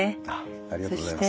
ありがとうございます。